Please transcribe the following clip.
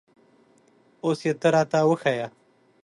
اوس یې ته را ته وښیه